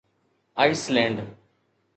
ice land